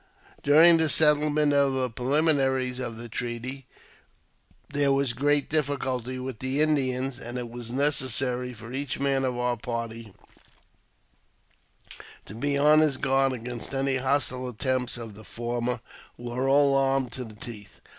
During the settlement of the preliminaries of the treaty. AUTOBIOGBAPHY OF JAMES P. BECKWOUBTH. 37 there was great difficulty with the Indians, and it was neces sary for each man of our party to be on his guard against any hostile attempts of the former, who were all armed to the teeth.